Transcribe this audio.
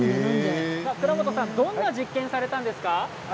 倉本さん、どんな実験をされたんですか？